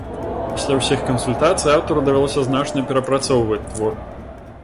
Пасля ўсіх кансультацый аўтару давялося значна перапрацоўваць твор.